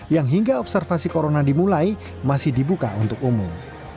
yang hingga observasi corona dimulai masih dibuka untuk umum